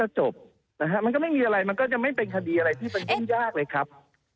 มันก็ไม่มีอะไรมันก็จะไม่เป็นคดีอะไรที่ใกล้ง้านะครับ